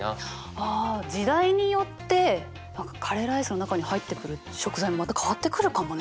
あ時代によってカレーライスの中に入ってくる食材もまた変わってくるかもね。